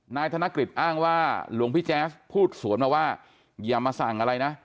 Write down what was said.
นายกฤษอ้างว่าหลวงพี่แจ๊สพูดสวนมาว่าอย่ามาสั่งอะไรนะ